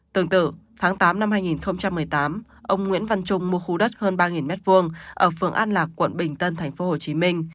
tương tự tháng tám năm hai nghìn một mươi tám ông nguyễn văn trung mua khu đất hơn ba m hai ở phường an lạc quận bình tân tp hcm